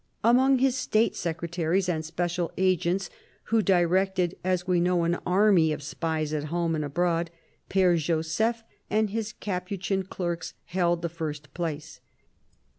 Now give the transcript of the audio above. Among his State secretaries and special agents, who directed, as we know, an army of spies at home and abroad, Pere Joseph and his Capuchin clerks held the first place.